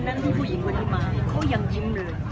วันนั้นผู้หญิงมาที่มาเขายังยิ้มเลย